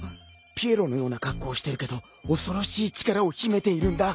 ピエロのような格好をしてるけど恐ろしい力を秘めているんだ。